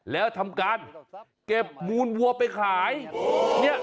แล้วทำการเก็บมูลวัวไปขาย